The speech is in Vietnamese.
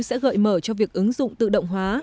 sẽ gợi mở cho việc ứng dụng tự động hóa